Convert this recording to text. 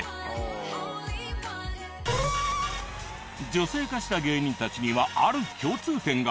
女性化した芸人たちにはある共通点が。